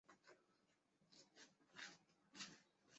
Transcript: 殿试登进士第二甲第四十五名。